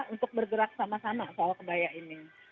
untuk bergerak sama sama soal kebaya ini